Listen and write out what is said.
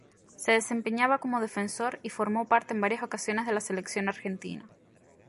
Se desempeñaba como defensor y formó parte en varias ocasiones de la Selección Argentina.